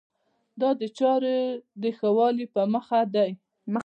دا د چارو د ښه والي په موخه دی.